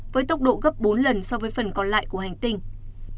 với tốc độ gấp bốn lần so với phần còn lại của hành tinh